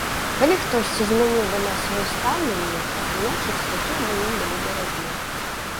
Калі хтосьці змяніў да нас сваё стаўленне, значыць, такія мы ім былі дарагія.